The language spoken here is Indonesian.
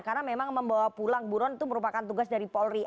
karena memang membawa pulang buron itu merupakan tugas dari polri